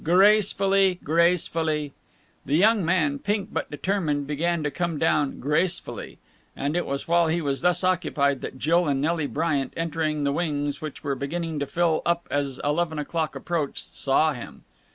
Gracefully! Gracefully!" The young man, pink but determined, began to come down gracefully. And it was while he was thus occupied that Jill and Nelly Bryant, entering the wings which were beginning to fill up as eleven o'clock approached, saw him.